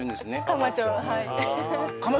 かまちょはいえま